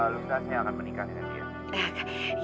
lengkarnya akan menikah nanti ya